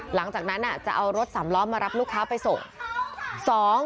หลังจากนั้นจะเอารถสามล้อมารับลูกค้าไปส่ง